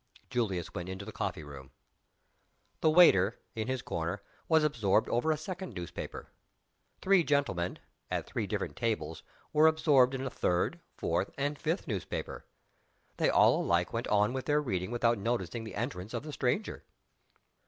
Julius went into the coffee room. The waiter, in his corner, was absorbed over a second newspaper. Three gentlemen, at three different tables, were absorbed in a third, fourth, and fifth newspaper. They all alike went on with their reading without noticing the entrance of the stranger.